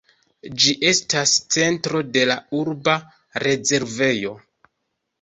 Ĝi estas centro de la urba rezervejo.